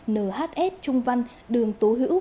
nhs trung văn đường tố hữu